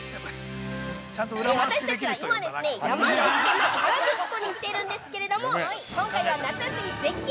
◆私たちは今、山梨県の河口湖に来ているんですけれども今回は夏休み絶景